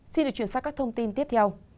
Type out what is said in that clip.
xin được chuyển sang các thông tin tiếp theo